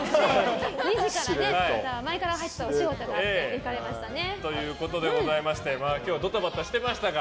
２時から、前から入ってたお仕事に行かれましたね。ということで今日はドタバタしていましたが